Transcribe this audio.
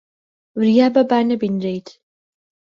وریا بە با نەبینرێیت.